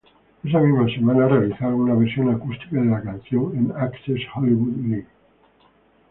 Esa misma semana, realizaron una versión acústica de la canción en Access Hollywood Live.